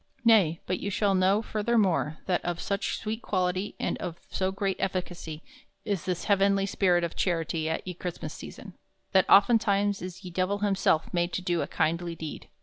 Nay, but you shall know furthermore that of soche sweete quality and of so great efficacy is this heavenly spirit of charity at ye Chrystmass season, that oftentimes is ye Divell himself made to do a kindly deed.